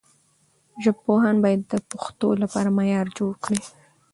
ژبپوهان باید د پښتو لپاره معیار جوړ کړي.